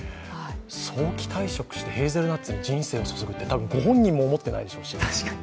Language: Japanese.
早期退職してヘーゼルナッツに人生を捧げるって多分、ご本人も思ってないでしょうし。